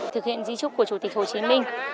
thực hiện di trúc của chủ tịch hồ chí minh